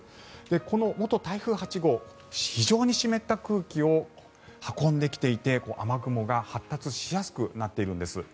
この元台風８号非常に湿った空気を運んできていて、雨雲が発達しやすくなっているんです。